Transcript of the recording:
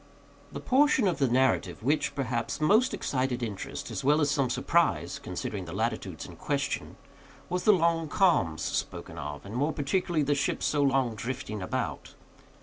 The portion of the narrative which, perhaps, most excited interest, as well as some surprise, considering the latitudes in question, was the long calms spoken of, and more particularly the ship's so long drifting about.